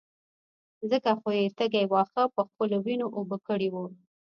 ځکه خو يې تږي واښه په خپلو وينو اوبه کړي وو.